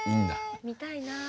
見たいなあ。